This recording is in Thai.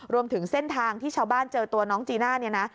รวมถึงเส้นทางที่ชาวบ้านเจอตัวน้องจีน่าเนี่ยนะ